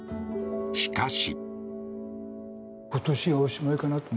しかし。